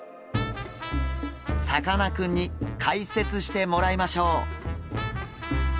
さかなクンに解説してもらいましょう。